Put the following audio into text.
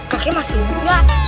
kakek masih juga